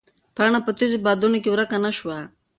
پاڼه په تېزو بادونو کې ورکه نه شوه.